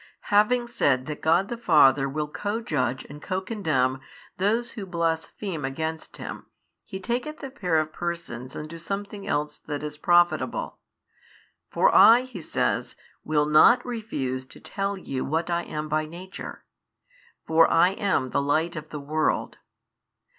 Having said that God the Father will co judge and co condemn those who blaspheme against Him, He taketh the pair of Persons unto something else that is profitable. For I (He says) will not refuse to tell you what I am by Nature. For I am the Light of the world.